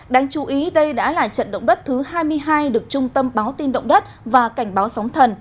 đáng chú ý đây đã là trận động đất thứ hai mươi hai được trung tâm báo tin động đất và cảnh báo sóng thần